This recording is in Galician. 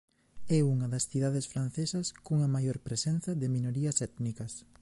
É unha das cidades francesas cunha maior presenza de minorías étnicas.